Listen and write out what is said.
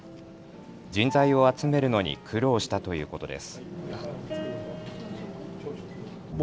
人材を集めるのに苦労したということです。